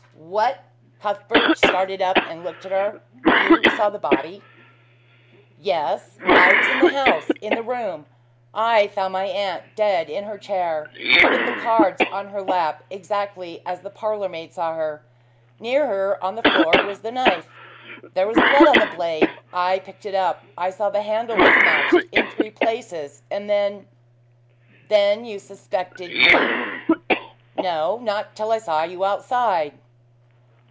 "What!" Cuthbert started up and looked at her. "You saw the body?" "Yes. I was in the house in the room. I found my aunt dead in her chair, with the cards on her lap, exactly as the parlor maid saw her. Near her on the floor was the knife. There was blood on the blade. I picked it up I saw the handle was notched in three places, and then " "Then you suspected me." "No. Not till I saw you outside."